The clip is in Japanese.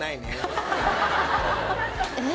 え？